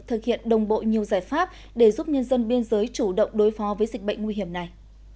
thực hiện đồng bộ nhiều giải pháp để giúp nhân dân biên giới chủ động đối phó với dịch bệnh nguy hiểm này